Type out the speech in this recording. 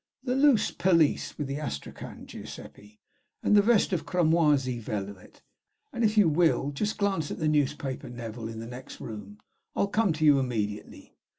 "The loose pelisse, with the astrakhan, Giuseppe, and that vest of cramoisie velvet; and if you will just glance at the newspaper, Neville, in the next room, I 'll come to you immediately."